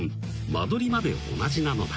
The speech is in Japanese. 間取りまで同じなのだ］